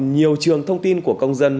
nhiều trường thông tin của công dân